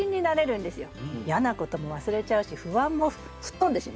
嫌なことも忘れちゃうし不安も吹っ飛んでしまう。